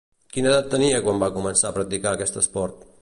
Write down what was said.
Quina edat tenia quan va començar a practicar aquest esport?